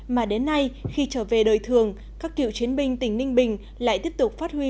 mà đến nay khi trở về đời thường các cựu chiến binh tỉnh ninh bình lại tiếp tục phát huy